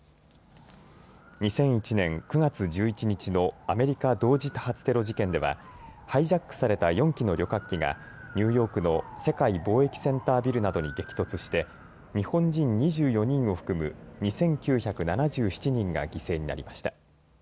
２００１年９月１１日のアメリカ同時多発テロ事件ではハイジャックされた４機の旅客機がニューヨークの世界貿易センタービルなどに激突して日本人２４人を含む２９７７人が犠牲になりました。